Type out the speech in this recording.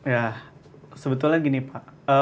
ya sebetulnya gini pak